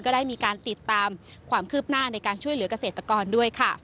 ได้มีการติดตามความคืบหน้าในการช่วยเหลือกเกษตรกรด้วยค่ะ